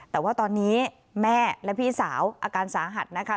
แต่ว่าตอนนี้แม่และพี่สาวอาการสาหัสนะคะ